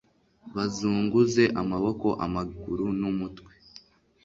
bazunguze amaboko, amaguru n'umutwe